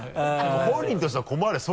本人としては困るよ